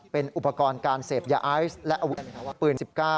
เป็นอุปกรณ์การเสพยาไอซ์และอาวุธปืน๑๙